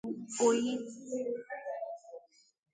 Injinia Nnamdi Nwadiogbu nke okpuruọchịchị Oyi